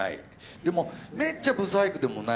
でもめっちゃ不細工でもない。